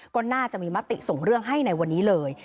ก็น่าจะมีมติส่งเรื่องให้ในวันนี้เลย